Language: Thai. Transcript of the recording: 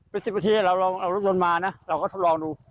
เป็นสิบประเทศเราลองเอารถยนต์มานะเราก็ลองดู